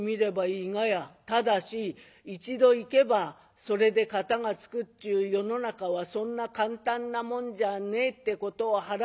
ただし一度行けばそれで片がつくっちゅう世の中はそんな簡単なもんじゃねえってことを腹へ持って」。